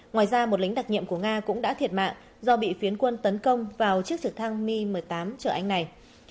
ngoài ra một lính đặc nhiệm của nga cũng đã thiệt mạng do bị phiến quân tấn công vào chiếc trực thăng mi một mươi tám trở anh này